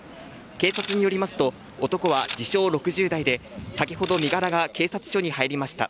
警察によりますと、男は自称・６０代で先ほど身柄が警察署に入りました。